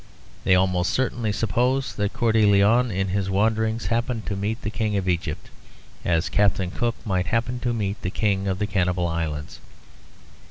They almost certainly suppose that Coeur de Lion in his wanderings happened to meet the King of Egypt, as Captain Cook might happen to meet the King of the Cannibal Islands.